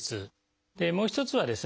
でもう一つはですね